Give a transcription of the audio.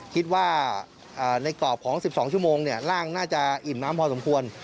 คิดว่าในกรอบของ๑๒ชั่วโมงร่างน่าจะอิ่มน้ำพอสมควร